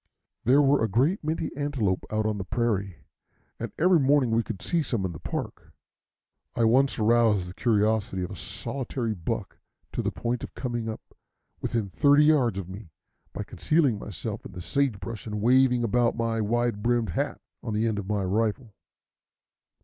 There were a great many antelope out on the prairie, and every morning we could see some in the park. I once aroused the curiosity of a solitary buck to the point of coming up within thirty yards of me by concealing myself in the sage brush and waving about my wide brimmed hat on the end of my rifle.